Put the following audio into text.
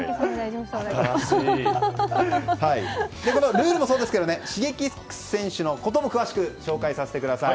ルールもそうですけどＳｈｉｇｅｋｉｘ選手のことも詳しく紹介させてください。